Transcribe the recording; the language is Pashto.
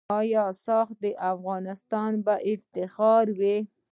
آیا "ساخت افغانستان" به افتخار وي؟